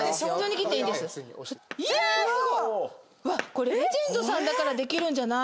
これレジェンドさんだからできるんじゃない。